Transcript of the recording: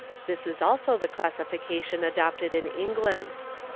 This is also tl classification adopted in England.